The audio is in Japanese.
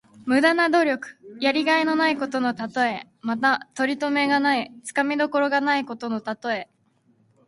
無駄な努力。やりがいのないことのたとえ。また、とりとめがない、つかみどころがないことのたとえ。